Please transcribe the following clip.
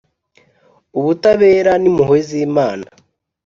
Ubutabera n’impuhwe z’Imana